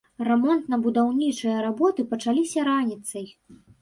Рамонтна-будаўнічыя работы пачаліся раніцай.